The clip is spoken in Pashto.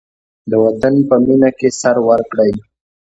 د وطن په مینه کې سر ورکړئ.